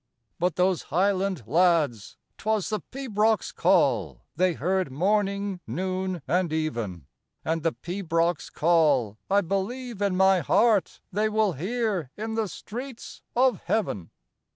But those highland lads, 'twas the pibroch's call They heard morning, noon, and even, And the pibroch's call, I believe in my heart, They will hear in the streets of heaven.